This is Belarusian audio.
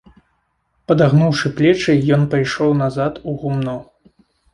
Падагнуўшы плечы, ён пайшоў назад у гумно.